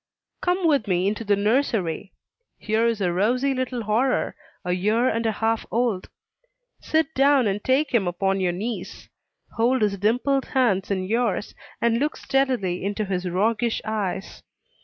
Come with me into the nursery. Here is a rosy little horror, a year and a half old. Sit down and take him upon your knees. Hold his dimpled hands in yours, and look steadily into his roguish eyes.